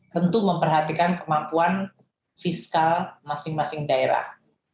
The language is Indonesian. tentu memperhatikan kemampuan fiskal masing masing daerah